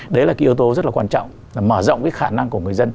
đấy là cái yếu tố rất là quan trọng là mở rộng cái khả năng của người dân